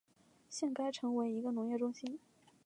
现该城为一个农业中心。